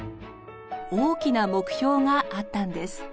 大きな目標があったんです。